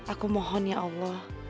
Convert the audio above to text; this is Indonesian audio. aku mohon ya allah